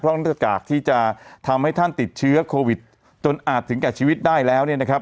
เพราะนักกากที่จะทำให้ท่านติดเชื้อโควิดจนอาจถึงกับชีวิตได้แล้ว